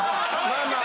まあまあ。